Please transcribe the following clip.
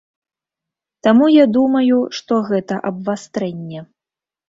Таму я думаю, што гэта абвастрэнне.